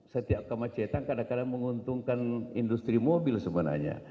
setiap kemacetan kadang kadang menguntungkan industri mobil sebenarnya